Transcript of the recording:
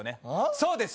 そうです